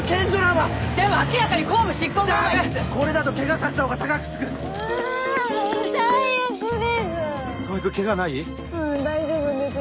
はい大丈夫です